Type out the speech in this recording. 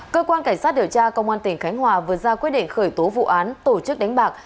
cơ quan cảnh sát điều tra công an tỉnh khánh hòa vừa ra quyết định khởi tố vụ án tổ chức đánh bạc